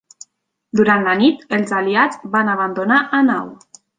Durant la nit, els aliats van abandonar Hanau.